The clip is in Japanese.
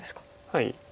はい。